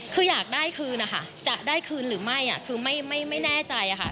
คืออยากได้คืนนะคะจะได้คืนหรือไม่คือไม่แน่ใจค่ะ